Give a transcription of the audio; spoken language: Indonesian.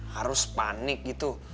harus panik gitu